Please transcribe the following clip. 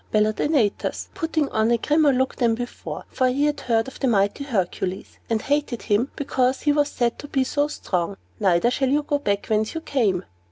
bellowed Antaeus, putting on a grimmer look than before; for he had heard of the mighty Hercules, and hated him because he was said to be so strong. "Neither shall you go back whence you came!"